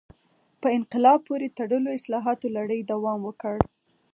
په انقلاب پورې تړلو اصلاحاتو لړۍ دوام وکړ.